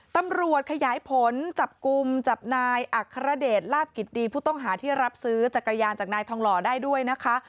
ตำรวจขยายผลจับกลุ่มจับนายอัครเดชลาบกิจดีผู้ต้องหาที่รับซื้อจักรยานจากนายทองหล่อได้ด้วยนะคะ